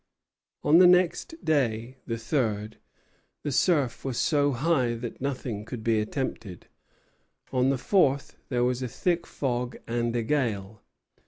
On the next day, the third, the surf was so high that nothing could be attempted. On the fourth there was a thick fog and a gale.